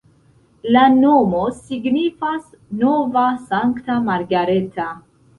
La nomo signifas nova-sankta-Margareta.